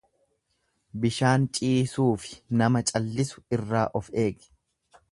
Bishaan ciisuufi nama callisu irraa of eegi.